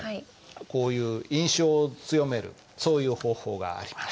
こういう印象を強めるそういう方法があります。